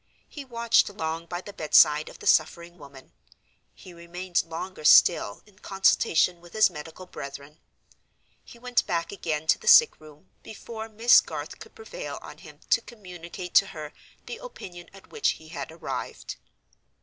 He watched long by the bedside of the suffering woman; he remained longer still in consultation with his medical brethren; he went back again to the sick room, before Miss Garth could prevail on him to communicate to her the opinion at which he had arrived.